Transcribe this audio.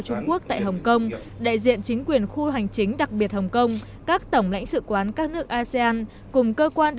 trung quốc tại hồng kông đại diện chính quyền khu hành chính đặc biệt hồng kông các tổng lãnh sự quán